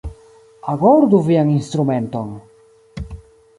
Agordu vian instrumenton!